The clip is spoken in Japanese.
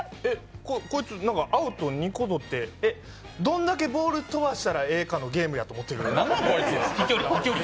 青と２個とってどんだけボール飛ばしたらええかのゲームかと思ってる？